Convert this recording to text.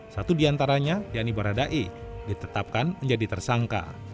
satu diantaranya yakni baradae ditetapkan menjadi tersangka